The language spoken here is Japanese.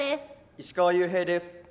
石川裕平です。